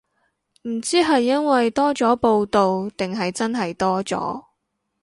唔知係因為多咗報導定係真係多咗